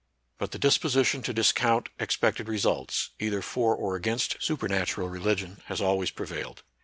But the dis position to discount expected results, either for or against supernatural religion, has alw'ays pre vailed.